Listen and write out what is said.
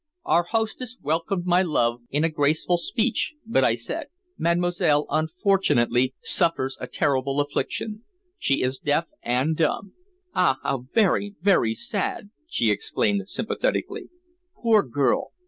Our hostess welcomed my love in a graceful speech, but I said "Mademoiselle unfortunately suffers a terrible affliction. She is deaf and dumb." "Ah, how very, very sad!" she exclaimed sympathetically. "Poor girl!